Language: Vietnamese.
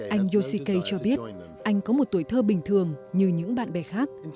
anh yoshike cho biết anh có một tuổi thơ bình thường như những bạn bè khác